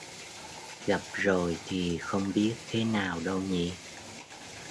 Gặp rồi thì không biết thế nào đâu nhỉ